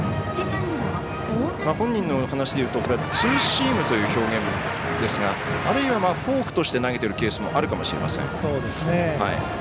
球本人の話で言うとツーシームという表現ですがあるいはフォークとして投げているケースもあるかもしれません。